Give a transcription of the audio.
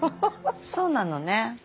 そうなのね。